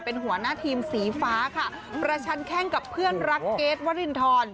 เป็นหัวหน้าทีมสีฟ้าค่ะประชันแข้งกับเพื่อนรักเกรทวรินทร